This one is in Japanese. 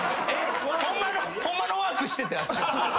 ホンマのワークしててあっちは。